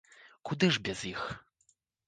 Куды ж без іх!